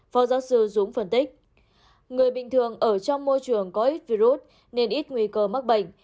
phó giáo sư dũng phân tích người bình thường ở trong môi trường có ít virus nên ít nguy cơ mắc bệnh